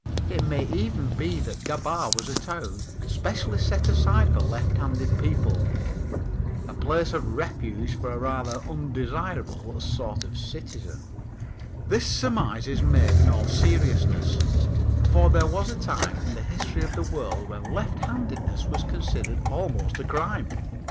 It may even be that Gabaa was a town specially set aside for lefthanded people, a place of refuge for a rather undesirable sort of citizen. This surmise is made in all seriousness, for there was a time in the history of the world when lefthandedness was considered almost a crime.